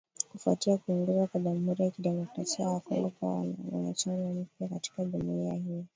Kufuatia kuingizwa kwa Jamuhuri ya Kidemokrasia ya Kongo kuwa mwanachama mpya katika jumuiya hiyo